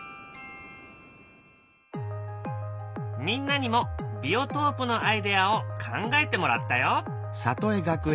みんなにもビオトープのアイデアを考えてもらったよ。